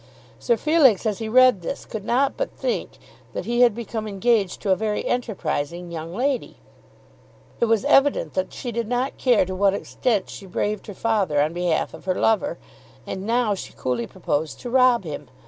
Sir Felix as he read this could not but think that he had become engaged to a very enterprising young lady. It was evident that she did not care to what extent she braved her father on behalf of her lover, and now she coolly proposed to rob him.